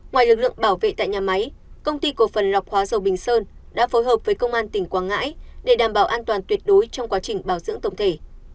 ngoài lực lượng bảo vệ tại nhà máy công ty cổ phần lọc hóa dầu bình sơn đã phối hợp với công an tỉnh quảng ngãi để đảm bảo an toàn tuyệt đối trong quá trình bảo dưỡng tổng thể